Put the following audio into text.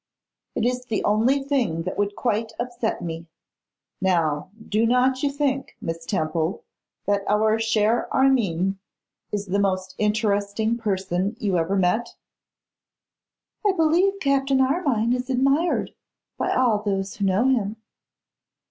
'It is the only thing that would quite upset me. Now do not you think, Miss Temple, that our cher Armine is the most interesting person you ever met?' 'I believe Captain Armine is admired by all those who know him.